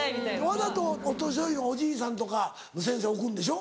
わざとお年寄りのおじいさんとか先生置くんでしょ？